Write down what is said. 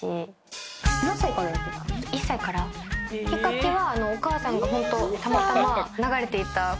きっかけは。